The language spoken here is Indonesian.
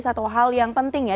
satu hal yang penting ya